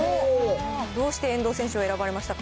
どうして遠藤選手を選ばれましたか。